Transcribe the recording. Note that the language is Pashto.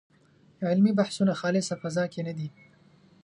علمي بحثونه خالصه فضا کې نه دي.